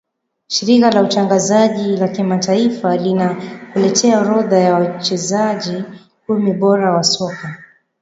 shirika la utangazaji la kimataifa linakuletea orodha ya wachezaji kumi bora wa soka